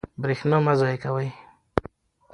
برښنا مه ضایع کوئ.